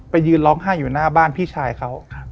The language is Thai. ยืนร้องไห้อยู่หน้าบ้านพี่ชายเขา